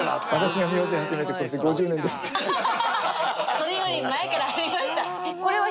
それより前からありました。